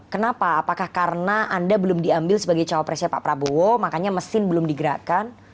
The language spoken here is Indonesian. kenapa apakah karena anda belum diambil sebagai cowok presnya pak prabowo makanya mesin belum digerakkan